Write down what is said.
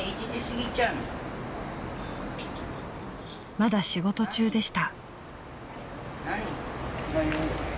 ［まだ仕事中でした］